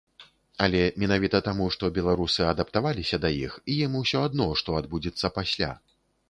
Але менавіта таму, што беларусы адаптаваліся да іх, ім усё адно, што адбудзецца пасля.